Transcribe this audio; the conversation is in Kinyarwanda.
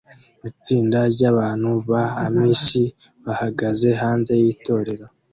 Itsinda ryabantu ba Amish bahagaze hanze yitorero